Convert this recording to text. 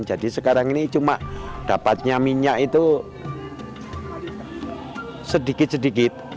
jadi sekarang ini cuma dapatnya minyak itu sedikit sedikit